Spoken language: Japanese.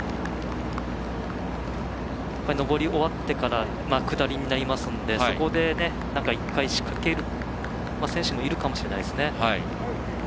上り終わってから下りになりますのでそこで１回仕掛ける選手もいるかもしれないですね。